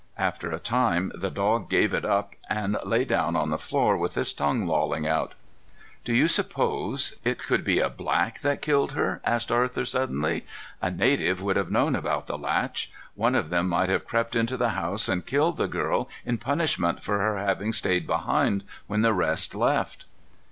After a time the dog gave it up, and lay down on the floor with his tongue lolling out. "Do you suppose it could be a black that killed her?" asked Arthur suddenly. "A native would have known about the latch. One of them might have crept into the house and killed the girl in punishment for her having stayed behind when the rest left."